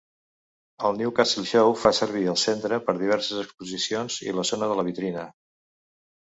El Newcastle Show fa servir el Centre per diverses exposicions i la zona de la vitrina.